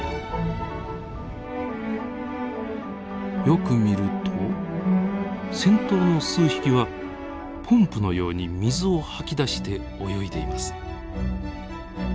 よく見ると先頭の数匹はポンプのように水を吐き出して泳いでいます。